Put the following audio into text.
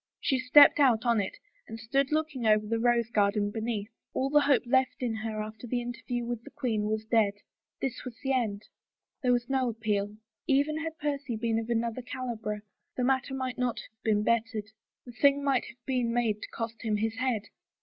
She stepped out on it and stood looking over the rose garden beneath. All the 21 THE FAVOR OF KINGS hope left in her after the interview with the queen was dead. This was the end. There was no appeal. Even had Percy been of another caliber, the matter might not have been bettered. The thing might have been made to cost him his head.